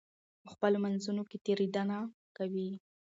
په خپلو منځونو کې تېرېدنه کوئ.